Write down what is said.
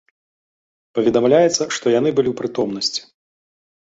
Паведамляецца, што яны былі ў прытомнасці.